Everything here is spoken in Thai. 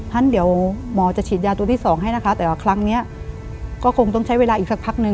งั้นเดี๋ยวหมอจะฉีดยาตัวที่สองให้นะคะแต่ว่าครั้งนี้ก็คงต้องใช้เวลาอีกสักพักนึง